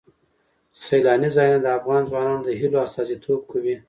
سیلانی ځایونه د افغان ځوانانو د هیلو استازیتوب کوي.